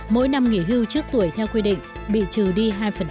mỗi năm nghỉ hưu trước tuổi theo quy định bị trừ đi hai